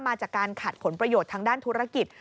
มาจากการขัดผลประโยชน์ทางด้านธุรกิจ